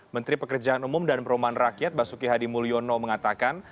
menteri pekerjaan umum dan perumahan rakyat basuki hadi mulyono mengatakan